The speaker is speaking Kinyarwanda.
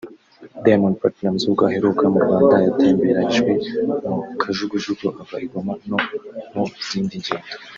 Diamond Platnumz ubwo aheruka mu Rwanda yatemberejwe muri Kajugujugu ava i Goma no mu zindi ngendo